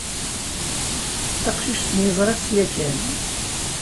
Taqcict-nni ẓriɣ-tt yakan.